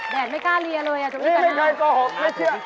แดดไม่กล้าเรียเลยอ่ะโจอี้กาหน้านี่เป็นใครโกหกไม่เชื่อ